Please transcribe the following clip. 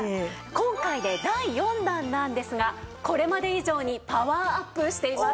今回で第４弾なんですがこれまで以上にパワーアップしています！